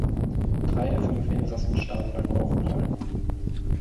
Drei der fünf Insassen starben beim Aufprall.